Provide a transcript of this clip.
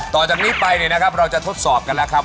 ต่อจากนี้ไปเนี่ยนะครับเราจะทดสอบกันแล้วครับ